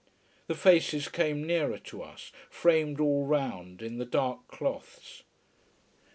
The faces came nearer to us, framed all round in the dark cloths.